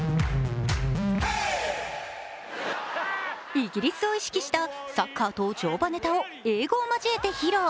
イギリスを意識したサッカーと乗馬ネタを英語を交えて披露。